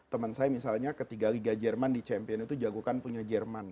teman saya misalnya ketiga liga jerman di champion itu jago kan punya jerman